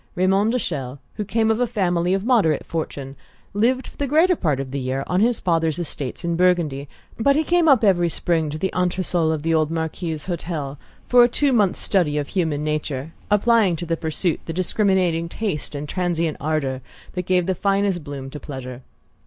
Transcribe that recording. Raymond de Chelles, who came of a family of moderate fortune, lived for the greater part of the year on his father's estates in Burgundy; but he came up every spring to the entresol of the old Marquis's hotel for a two months' study of human nature, applying to the pursuit the discriminating taste and transient ardour that give the finest bloom to pleasure.